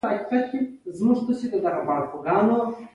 فلیریک ګوله په ډال وتاوله.